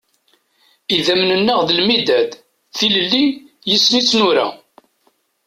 Idammen-nneɣ d lmidad, tilelli, yis-sen i tt-nura.